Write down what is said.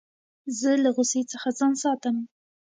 زه له غوسې څخه ځان ساتم.